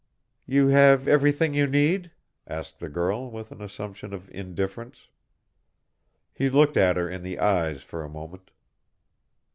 "You have everything you need?" asked the girl, with an assumption of indifference. He looked her in the eyes for a moment.